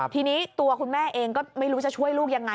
ทีนี้ตัวคุณแม่เองก็ไม่รู้จะช่วยลูกยังไง